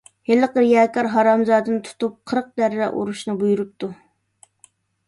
ھېلىقى رىياكار ھارامزادىنى تۇتۇپ، قىرىق دەررە ئۇرۇشنى بۇيرۇپتۇ.